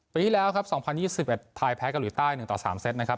ปีที่แล้วครับสองพันยี่สิบเอ็ดไทยแพ้เกาหลีใต้หนึ่งต่อสามเซตนะครับ